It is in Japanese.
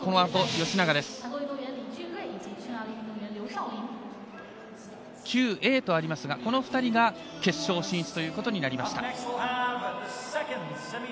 ＱＡとありますがこの２人が決勝進出ということになりました。